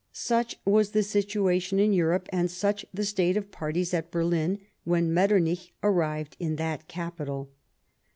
Such was the situation in Europe, and such the state of parties at Berlin, when Metternich arrived in that capital.